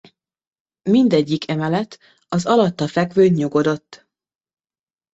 Mindegyik emelet az alatta fekvőn nyugodott.